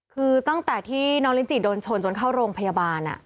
คือตั้งแต่ที่น้องลินจิโดนชนจนเข้าโรงพยาบาล